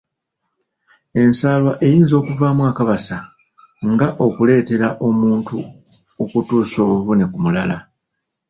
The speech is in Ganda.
Ensaalwa eyinza okuvaamu akabasa nga okuleetera omuntu okutuusa obuvume ku mulala